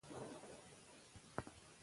که رښتیا ووایې نو بریالی به سې.